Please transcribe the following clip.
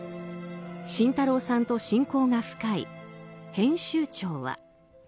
慎太郎さんと親交が深い編集長は。